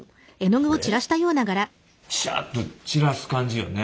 シャッと散らす感じよね。